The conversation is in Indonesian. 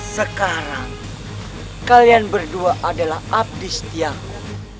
sekarang kalian berdua adalah abdi setiaku